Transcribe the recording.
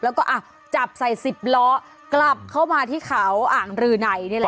แล้วก็อ่ะจับใส่๑๐ล้อกลับเข้ามาที่เขาอ่างรือในนี่แหละ